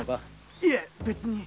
いえ別に。